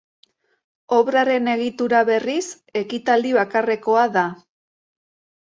Obraren egitura berriz, ekitaldi bakarrekoa da.